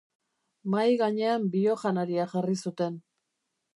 Mahai gainean bio janaria jarri zuten.